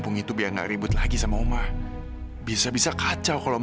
untuk pisan adam